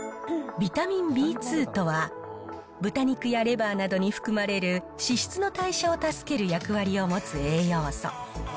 ビタミンＢ２とは豚肉やレバーなどに含まれる脂質の代謝を助ける役割を持つ栄養素。